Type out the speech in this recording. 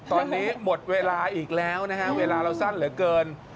ตอนนี้หมดเวลาอีกแล้วนะฮะเวลาเราสั้นเหลือเกิน